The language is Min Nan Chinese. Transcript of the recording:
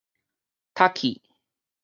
瀧